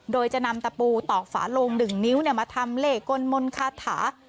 โดยจะนำตะปูตอกฝาลงหนึ่งนิ้วเนี่ยมาทำเลขกลมนคาถา